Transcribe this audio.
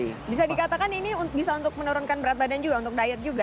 bisa dikatakan ini bisa untuk menurunkan berat badan juga untuk diet juga